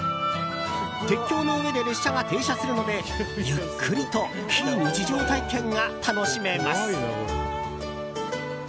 鉄橋の上で列車が停止するのでゆっくりと非日常体験が楽しめます。